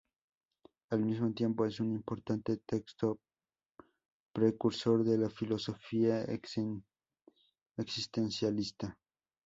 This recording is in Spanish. Al mismo tiempo, es un importante texto precursor de la filosofía existencialista.